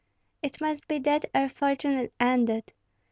"It must be that our fortune is ended.